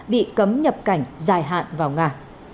bị cấm nhập cảnh dài hạn vào nga